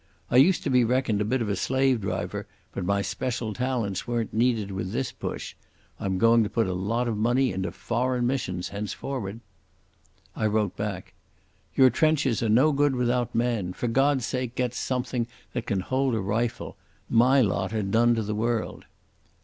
I used to be reckoned a bit of a slave driver, but my special talents weren't needed with this push. I'm going to put a lot of money into foreign missions henceforward." I wrote back: "Your trenches are no good without men. For God's sake get something that can hold a rifle. My lot are done to the world."